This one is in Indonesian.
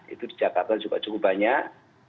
itu di jakarta juga cukup banyak